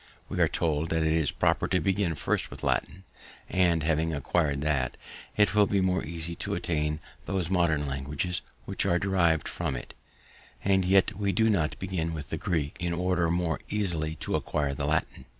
We are told that it is proper to begin first with the Latin, and, having acquir'd that, it will be more easy to attain those modern languages which are deriv'd from it; and yet we do not begin with the Greek, in order more easily to acquire the Latin.